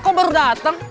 kok baru dateng